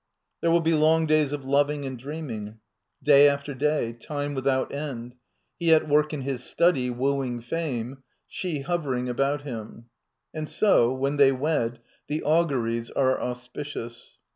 j Tliere will be long days of loving and dreaming; I day after day, time without end : he at work in his I study, wooing fame; she hovering about him. And 1 so, when they lyed, the auguries are auspicious.